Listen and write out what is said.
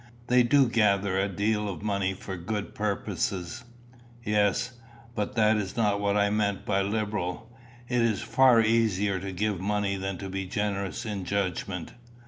"They do gather a deal of money for good purposes." "Yes. But that was not what I meant by liberal. It is far easier to give money than to be generous in judgment.